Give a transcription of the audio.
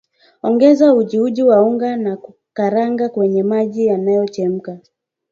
Ongeza ujiuji wa unga na karanga kwenye maji yanayochemka